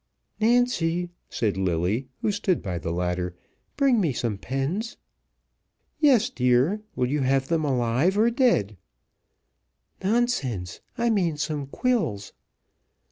"Nancy," said Lilly, who stood by the ladder, "bring me some pens." "Yes, dear; will you have them alive, or dead?" "Nonsense, I mean some quills."